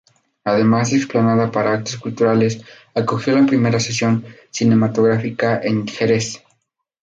Además de explanada para actos culturales, acogió la primera sesión cinematográfica en Jerez.